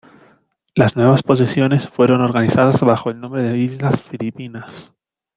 Las nuevas posesiones fueron organizadas bajo el nombre de islas Filipinas.